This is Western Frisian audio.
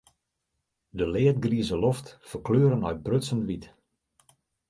De leadgrize loft ferkleure nei brutsen wyt.